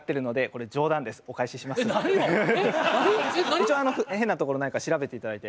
一応変なところないか調べていただいて。